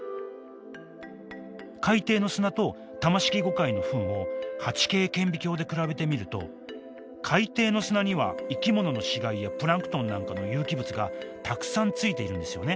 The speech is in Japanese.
海底の砂とタマシキゴカイのフンを８Ｋ顕微鏡で比べてみると海底の砂には生き物の死骸やプランクトンなんかの有機物がたくさんついているんですよね。